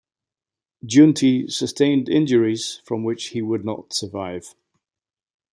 Giunti sustained injuries from which he would not survive.